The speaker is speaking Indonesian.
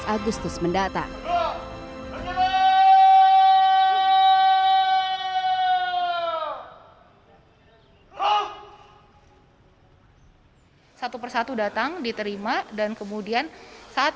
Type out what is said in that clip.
agustus mendatang satu persatu datang diterima dan kemudian saat